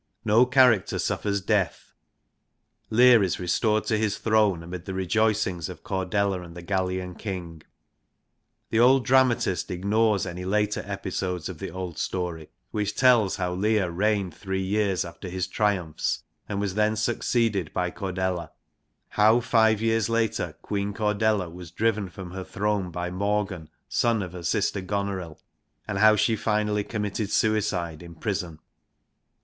No character suffers death. Leir is restored to his throne amid the rejoicings of Cordelia and the Gallian King. The old dramatist ignores any later episodes of the old story which tells how Leir reigned three years after his triumphs, and was then succeeded by Cordelia ; how five years later Queen Cordelia was driven from her throne by Morgan, son of her sister Gonorill, and how she finally committed suicide in prison.